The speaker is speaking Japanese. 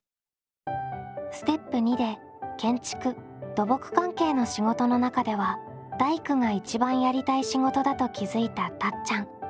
ステップ②で建築・土木関係の仕事の中では大工が一番やりたい仕事だと気付いたたっちゃん。